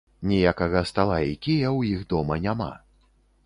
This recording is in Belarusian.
Ніякага стала і кія ў іх дома няма.